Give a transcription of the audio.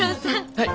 はい？